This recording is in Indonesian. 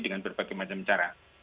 dengan berbagai macam cara